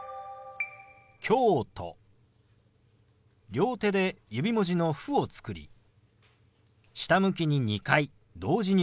両手で指文字の「フ」を作り下向きに２回同時に動かします。